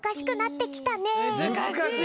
むずかしい！